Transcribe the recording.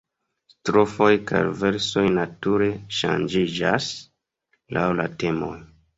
Strofoj kaj versoj nature ŝanĝiĝas laŭ la temoj.